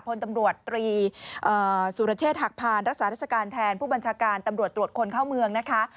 พลตำรวจตรีสุรเชษฐ์หักพานรักษาราชการแทนผู้บัญชาการตำรวจตรวจคนเข้าเมืองนะคะ